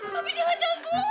papi jangan jantungan papi